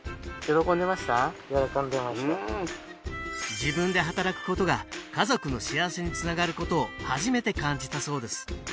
自分で働くことが家族の幸せにつながることを初めて感じたそうです